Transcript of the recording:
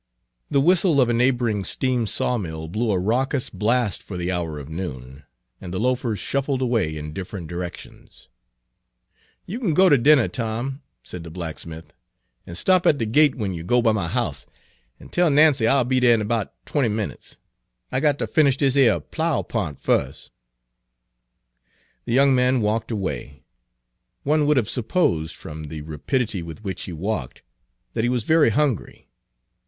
The whistle of a neighboring steam sawmill blew a raucous blast for the hour of noon, and the loafers shuffled away in different directions. Page 294 "You kin go ter dinner, Tom," said the blacksmith. "An' stop at de gate w'en yer go by my house, and tell Nancy I'll be dere in 'bout twenty minutes. I got ter finish dis yer plough p'int fus'." The young man walked away. One would have supposed, from the rapidity with which he walked, that he was very hungry.